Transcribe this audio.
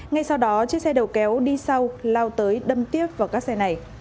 ngay sau đó chiếc xe đầu kéo đi sau lao tới đâm tiếp vào các xe này